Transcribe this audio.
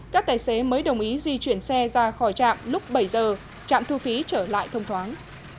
các tài xế mới đồng ý di chuyển xe ra khỏi trạm lúc bảy giờ trạm thu phí trở lại thông thoáng